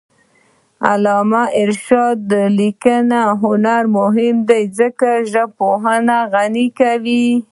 د علامه رشاد لیکنی هنر مهم دی ځکه چې ژبپوهنه غني کوي.